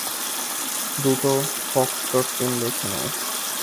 দুটো foxtrot team বেছে নাও।